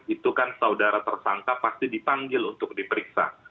itu kan saudara tersangka pasti dipanggil untuk diperiksa